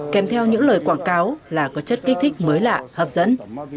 kèm theo những lời quảng cáo là có chất kích thích mới lạ hấp dẫn